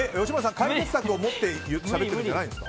解決策を持ってしゃべってるんじゃないですか？